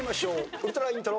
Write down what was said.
ウルトライントロ。